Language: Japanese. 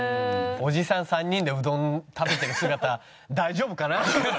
おじさん３人でうどん食べてる姿大丈夫かな？